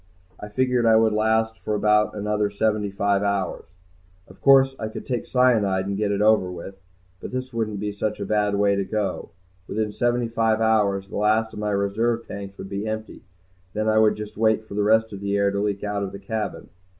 I figured I would last for about another seventy five hours. Of course I could take cyanide and get it over with. But this wouldn't be such a bad way to go. Within seventy five hours the last of my reserve tanks would be empty. Then I would just wait for the rest of the air to leak out of the cabin.